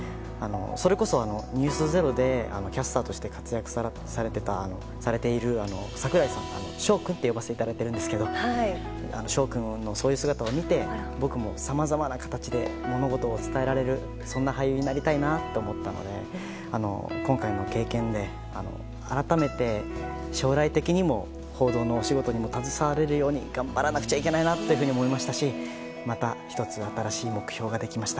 それこそ「ｎｅｗｓｚｅｒｏ」でキャスターとして活躍されている櫻井さん、翔君と呼ばせていただいてるんですけど翔君のそういう姿を見て僕も、さまざまな形で物事を伝えられる俳優になりたいと思ったので今回の経験で改めて将来的にも、報道のお仕事にも携われるように頑張らなくちゃいけないなと思いましたし、また１つ新しい目標ができました。